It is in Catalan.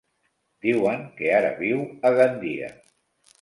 Diuen que ara viu a Gandia.